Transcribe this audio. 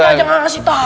kita jangan ngasih tahu